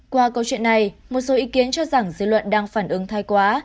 qua câu chuyện này một số ý kiến cho rằng dư luận đang phản ứng thai quá